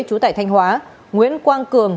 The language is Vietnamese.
chú tại thanh hóa nguyễn quang cường